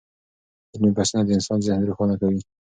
علمي بحثونه د انسان ذهن روښانه کوي.